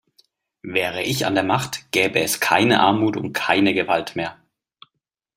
Wäre ich an der Macht, gäbe es keine Armut und keine Gewalt mehr!